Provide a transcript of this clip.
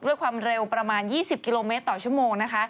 ด้วยความเร็วประมาณ๒๐กิโลเมตรต่อชั่วโมงนะคะ